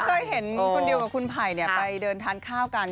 เคยเห็นคุณดิวกับคุณไผ่ไปเดินทานข้าวกัน